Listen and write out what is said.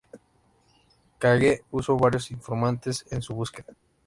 Cage usó varios informantes en su búsqueda.